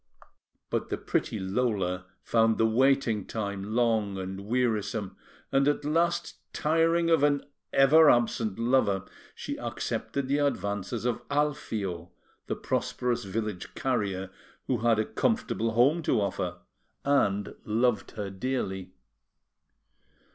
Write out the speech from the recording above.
But the pretty Lola found the waiting time long and wearisome; and, at last, tiring of an ever absent lover, she accepted the advances of Alfio, the prosperous village carrier, who had a comfortable home to offer and loved her dearly.